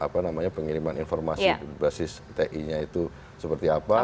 pengiriman informasi basis ti nya itu seperti apa